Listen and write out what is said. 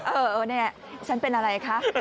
เออเนี่ยฉันเป็นอะไรคะ